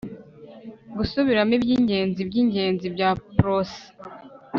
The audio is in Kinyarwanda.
gusubiramo ibyingenzi byingenzi bya prose